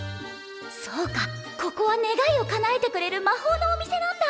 そうかここは願いをかなえてくれるまほうのお店なんだ！